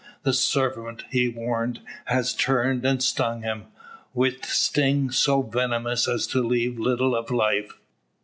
The serpent he warmed has turned and stung him, with sting so venomous as to leave little of life.